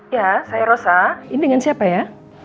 ya saya rasa ini dengan siapa ya